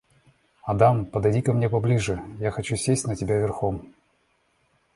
Адам, подойди ко мне ближе, я хочу сесть на тебя верхом.